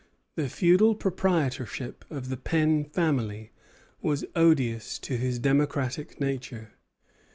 The feudal proprietorship of the Penn family was odious to his democratic nature.